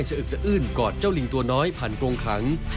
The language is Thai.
ร้องไห้เซอึกเซอื่นกอดเจ้าลิงตัวน้อยผ่านกรงขัง